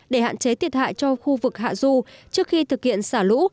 để hạn chế thiệt hại cho khu vực hạ du trước khi thực hiện xả lũ